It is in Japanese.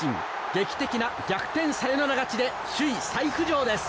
劇的な逆転サヨナラ勝ちで首位再浮上です。